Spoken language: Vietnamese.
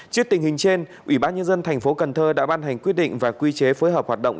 trước tình hình trên ủy ban nhân dân thành phố cần thơ đã ban hành quyết định và quy chế phối hợp hoạt động